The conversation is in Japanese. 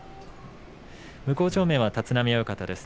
向正面は立浪親方です。